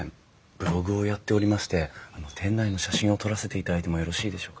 ブログをやっておりまして店内の写真を撮らせていただいてもよろしいでしょうか？